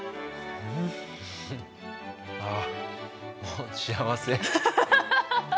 あもう幸せ。